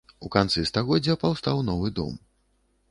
У канцы стагоддзя паўстаў новы дом.